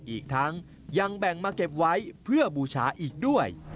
อีกทั้งยังแบ่งมาเก็บไว้เพื่อบูชาอีกด้วย